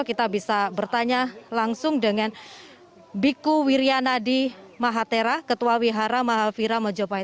kita bisa bertanya langsung dengan biku wiryanadi mahatera ketua wihara mahavira mojo pahit